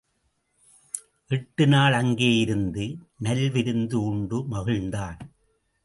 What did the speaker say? எட்டு நாள் அங்கே இருந்து நல் விருந்து உண்டு மகிழ்ந்தான்.